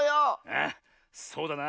あっそうだな。